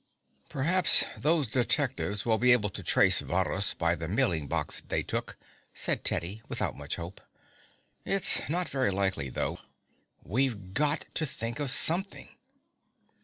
"Perhaps those detectives will be able to trace Varrhus by the mailing box they took," said Teddy, without much hope. "It's not very likely, though. We've got to think of something!"